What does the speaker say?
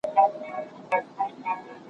ځیني پوهنتونونه له نورو څخه سخت اصول لري.